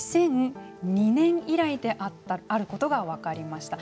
２００２年以来であることが分かりました。